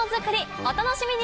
お楽しみに！